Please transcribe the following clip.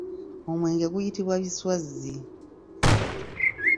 Omwenge guyitibwa biswazzi.